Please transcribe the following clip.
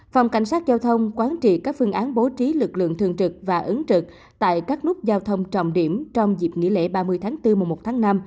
phòng cảnh sát giao thông quán trị các phương án bố trí lực lượng thường trực và ứng trực tại các nút giao thông trọng điểm trong dịp nghỉ lễ ba mươi tháng bốn mùa một tháng năm